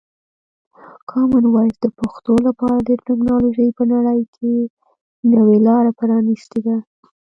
کامن وایس د پښتو لپاره د ټکنالوژۍ په نړۍ کې نوې لاره پرانیستې ده.